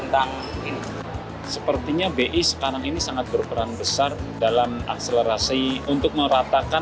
terus pakaian dan bisa juga sekarang ya